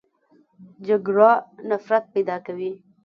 جګړه نفرت پیدا کوي